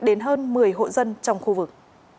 đến hơn một mươi hộ dân trong khu vực